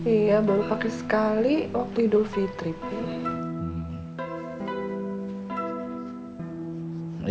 iya baru pake sekali waktu hidup fitri pi